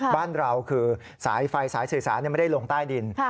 บ้านเราคือสายไฟสายสื่อสารไม่ได้ลงใต้ดิน